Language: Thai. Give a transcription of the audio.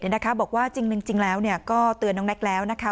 เนี่ยนะคะบอกว่าจริงแล้วเนี่ยก็เตือนน้องแน็กแล้วนะคะ